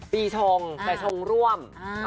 ปีชงแต่ชงร่วม